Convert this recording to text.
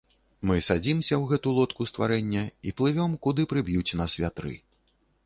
Мы садзімся ў гэту лодку стварэння і плывём, куды прыб'юць нас вятры.